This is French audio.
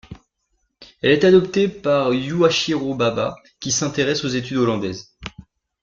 Il est adopté par Yuuhachiro Baba, qui s’intéresse aux études hollandaises.